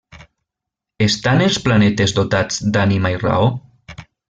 Estan els planetes dotats d'ànima i raó?